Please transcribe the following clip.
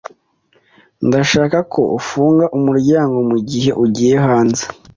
Ndashaka ko ufunga umuryango mugihe ugiye hanze.